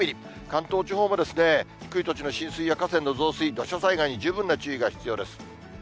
関東地方も低い土地の浸水や河川の増水、土砂災害に十分な注意が必要です。